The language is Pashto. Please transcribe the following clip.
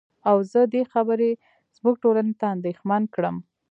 او زه دې خبرې زمونږ ټولنې ته اندېښمن کړم.